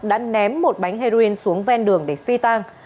đã ném một bánh heroin xuống ven đường để phi tang